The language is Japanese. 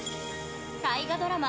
大河ドラマ